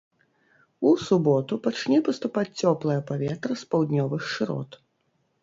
У суботу пачне паступаць цёплае паветра з паўднёвых шырот.